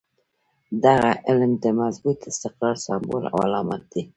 دغه عمل د مضبوط استقرار سمبول او علامت دی.